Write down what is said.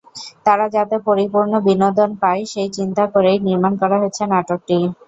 তারা যাতে পরিপূর্ণ বিনোদন পায়, সেই চিন্তা করেই নির্মাণ করা হয়েছে নাটকটি।